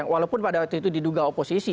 walaupun pada waktu itu diduga oposisi